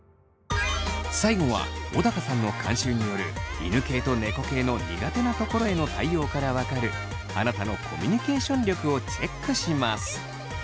最後は小高さんの監修による犬系と猫系の苦手なところへの対応から分かるあなたのコミュニケーション力をチェックします。